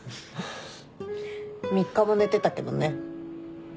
３日も寝てたけどね。